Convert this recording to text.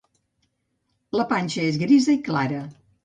La panxa és grisa clara.